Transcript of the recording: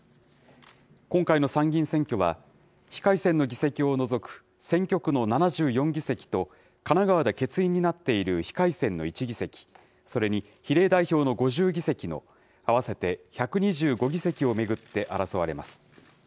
今回の参議院選挙は、非改選の議席を除く選挙区の７４議席と、神奈川で欠員になっている非改選の１議席、それに比例代表の５０議席の合わせて１２５議席を巡って争われます。